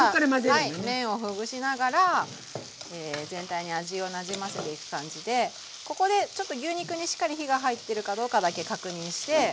はい麺をほぐしながら全体に味をなじませていく感じでここでちょっと牛肉にしっかり火が入ってるかどうかだけ確認して。